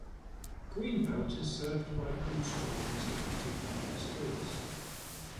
Greenbelt is served by Prince George's County Public Schools.